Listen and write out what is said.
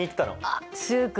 あっ習君